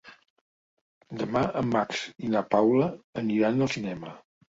Demà en Max i na Paula aniran al cinema.